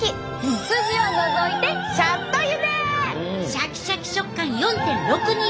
シャキシャキ食感４．６２倍！